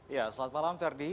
ya selamat malam ferdy